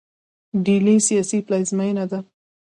ډیلي سیاسي پلازمینه ده.